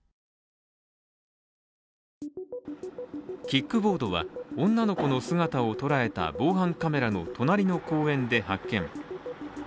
キックボードは女の子の姿を捉えた防犯カメラの隣の公園で発見。